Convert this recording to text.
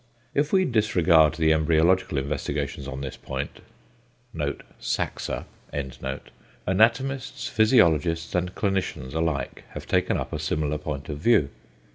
If we disregard the embryological investigations on this point (Saxer), anatomists, physiologists, and clinicians alike have taken up a similar point of view.